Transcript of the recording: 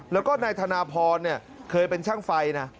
แล้วก็นายธนพรเคยเป็นช่างไฟนะ